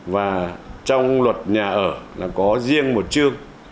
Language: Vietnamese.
và trong luật nhà ở là có riêng một chương